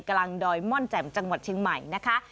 กลางดอยมอนแจ่มจังหวัดชิงใหม่นะคะ